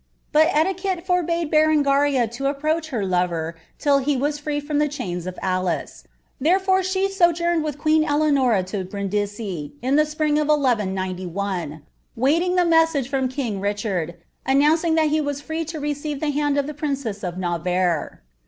Btil etiquette forbade Berengaria to appreaeh btt lo*er till he was free fiom Uie claims of .\lice; therefore she snjoiinid with (jtieen Eieanora at Brindisi, tn the spring of 1 191, wajliog tbt message from king Richard, announcing that he wa« free to receive Iht hand of the princesa of Navarre.